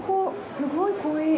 すごい濃い。